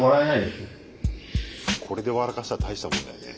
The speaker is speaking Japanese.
これで笑かしたら大したもんだよね。